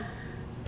udah put put